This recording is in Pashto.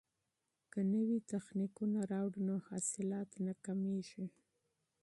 که نوي تخنیکونه راوړو نو حاصلات نه کمیږي.